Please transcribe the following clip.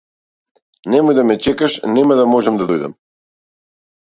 Немој да ме чекаш нема да можам да дојдам.